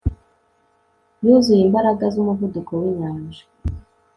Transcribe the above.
yuzuye imbaraga zumuvuduko winyanja